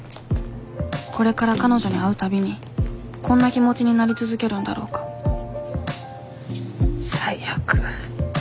これから彼女に会うたびにこんな気持ちになり続けるんだろうか最悪。